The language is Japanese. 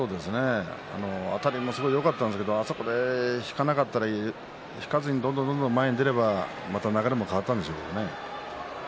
あたりもすごくよかったんですけどもそこで引かずにどんどん前に出ればまた流れも変わったんでしょうね。